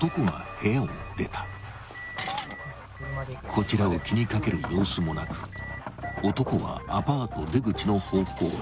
［こちらを気に掛ける様子もなく男はアパート出口の方向へ］